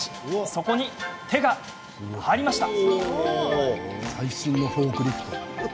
そこに手が入りました。